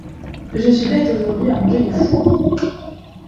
Je suis bête aujourd'hui à manger du foin.